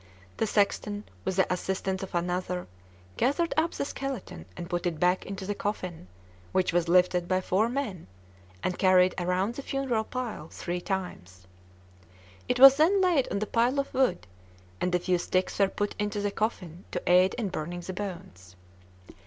The sexton, with the assistance of another, gathered up the skeleton and put it back into the coffin, which was lifted by four men and carried around the funeral pile three times. It was then laid on the pile of wood, and a few sticks were put into the coffin to aid in burning the bones.